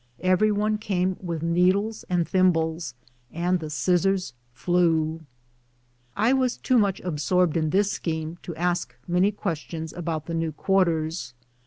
Every one came with needles and thimbles, and the scissors flew. I was too much absorbed in this scheme to ask many questions about the new quarters.